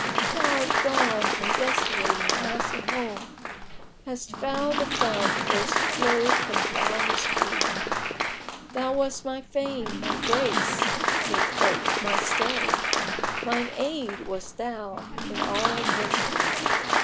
Thou 'rt gone and, desolating house and home, * Hast fouled the fount erst flowed from foulness free: Thou wast my fame, my grace 'mid folk, my stay; * Mine aid wast thou in all adversity!